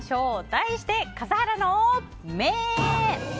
題して、笠原の眼！